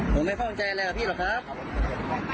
ผมไม่เข้าใจอะไรกับพี่หรอกครับ